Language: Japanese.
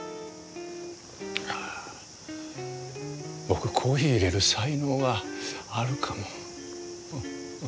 僕コーヒーいれる才能があるかも。